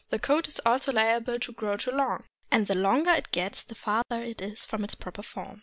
The coat is also liable to grow too long, and the longer it gets the farther it is from the proper form.